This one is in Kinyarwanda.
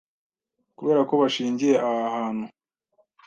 Kubera ko bashingiye aha hantu